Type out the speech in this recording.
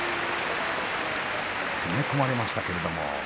攻め込まれましたけれど。